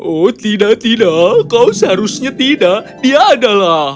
oh tidak tidak kau seharusnya tidak dia ada lah